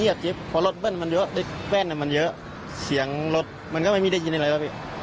ณียาริจิปพอรถเบิ้ลมันเยอะเอ้ยแว่นน่ะมันเยอะเสียงรถมันก็ไม่มีได้ยินอะไรครับพี่